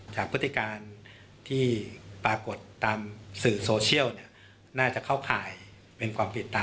พฤติการที่ปรากฏตามสื่อโซเชียลน่าจะเข้าข่ายเป็นความผิดตาม